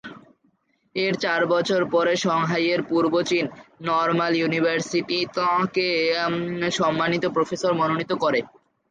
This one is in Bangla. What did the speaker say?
এর চার বছর পর সাংহাইয়ের পূর্ব চীন নরমাল ইউনিভার্সিটি তাঁকে সাম্মানিক প্রফেসর মনোনীত করে।